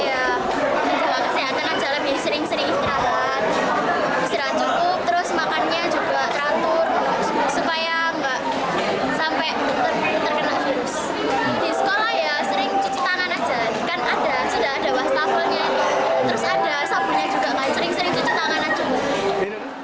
sering sering cuci tangan aja